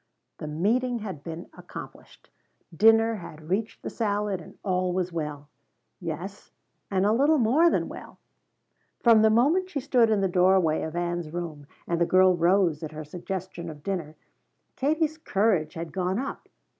The meeting had been accomplished. Dinner had reached the salad, and all was well. Yes, and a little more than well. From the moment she stood in the doorway of Ann's room and the girl rose at her suggestion of dinner, Katie's courage had gone up.